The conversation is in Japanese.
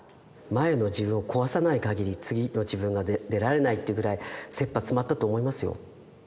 前の自分を壊さないかぎり次の自分が出られないっていうぐらいせっぱ詰まったと思いますよ。